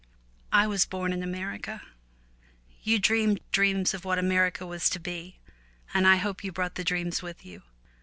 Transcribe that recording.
I was born in America. You dreamed dreams of what America was to be, and I hope you brought the dreams with you.